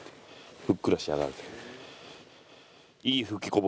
ふっくら仕上がるという。